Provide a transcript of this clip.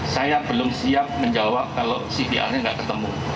saya belum siap menjawab kalau cvr nya tidak ketemu